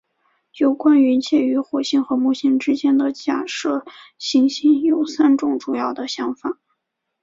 有关于介于火星和木星之间的假设行星有三种主要的想法。